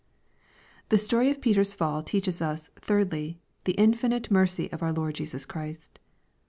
The story of Peter's fall teaches us, thirdly, tlie infi* nite mercy of our Lord Jesus Christ.